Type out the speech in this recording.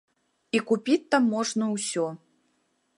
І купіць там можна ўсё.